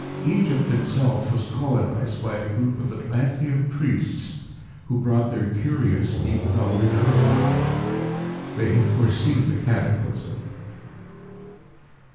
Egypt itself was colonised by a group of Atlantean priests who brought their curious, deep knowledge with them. They had foreseen the cataclysm.